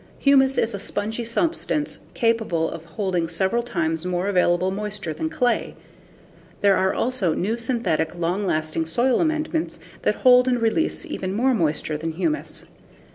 Humus is a spongy substance capable of holding several times more available moisture than clay. There are also new synthetic, long lasting soil amendments that hold and release even more moisture than humus.